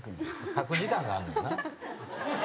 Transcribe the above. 書く時間があんねんな。